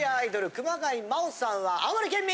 熊谷麻音さんは青森県民。